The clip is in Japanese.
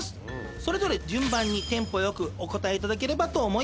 それぞれ順番にテンポ良くお答えいただければと思います。